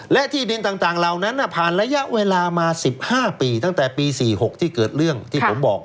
และที่ดินต่างเหล่านั้นผ่านระยะเวลามา๑๕ปีตั้งแต่ปี๔๖ที่เกิดเรื่องที่ผมบอก